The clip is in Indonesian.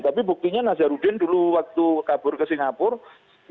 tapi buktinya nazarudin dulu waktu kabur ke singapura